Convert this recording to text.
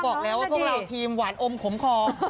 บอกแล้วว่าพวกเราทีมหวานอมขมคอ